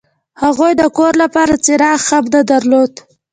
هغوی د کور لپاره څراغ هم نه درلود